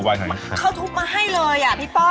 กินให้เลยอะพี่ป้อม